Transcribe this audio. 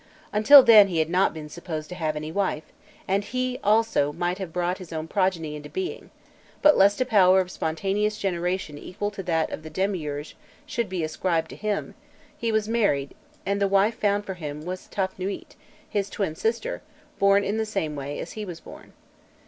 Until then he had not been supposed to have any wife, and he also might have himself brought his own progeny into being; but lest a power of spontaneous generation equal to that of the demiurge should be ascribed to him, he was married, and the wife found for him was Tafnûît, his twin sister, born in the same way as he was born.